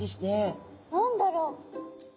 何だろう？